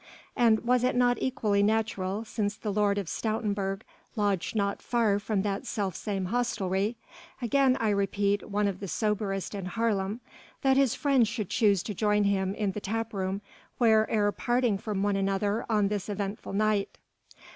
And was it not equally natural since the Lord of Stoutenburg lodged not far from that self same hostelry again I repeat one of the soberest in Haarlem that his friends should choose to join him in the tap room there ere parting from one another on this eventful night.